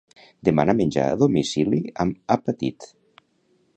Demana menjar a domicili amb Appatit.